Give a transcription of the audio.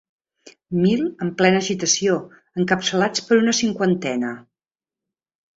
Mil en plena agitació, encapçalats per una cinquantena.